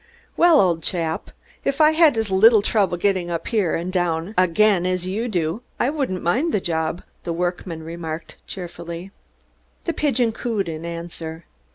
"Well, old chap, if I had as little trouble getting up here and down again as you do I wouldn't mind the job," the workman remarked cheerfully. The pigeon cooed an answer.